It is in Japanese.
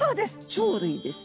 鳥類です。